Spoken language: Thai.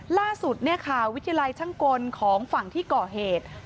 ล่าสุดวิทยาลัยช่างกลของฝั่งที่ก่อเหตุ